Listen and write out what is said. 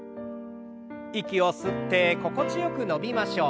息を吸って心地よく伸びましょう。